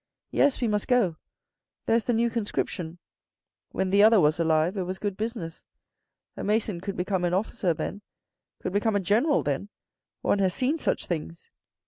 " Yes, we must go. There's the new conscription. When the other was alive it was good business. A mason could become an officer then, could become a general then. One has seen such things."